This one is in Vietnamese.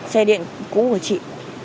xe điện cũ của chị